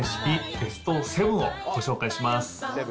ベスト７をご紹介します。